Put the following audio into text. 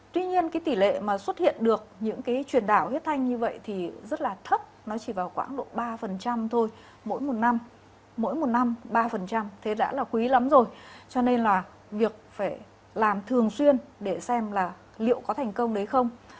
tuy nhiên cái tỷ lệ mà xuất hiện được những cái truyền đảo huyết thanh như vậy thì rất là thấp nó chỉ vào khoảng độ ba thôi mỗi một năm mỗi một năm ba thế đã là quý lắm rồi cho nên là việc phải làm thường xuyên để xem là liệu có thành công đấy không